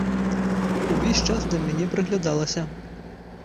Увесь час да мяне прыглядалася.